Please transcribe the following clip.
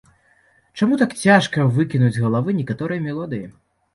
Чаму так цяжка выкінуць з галавы некаторыя мелодыі.